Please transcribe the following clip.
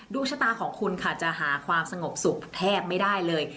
ดวงชะตาของคุณค่ะจะหาความสงบสุขแทบไม่ได้เลย